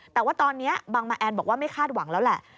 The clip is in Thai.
แต่ว่าตอนนี้บังมาแอนบอกว่าไม่คาดหวังแล้วแหละ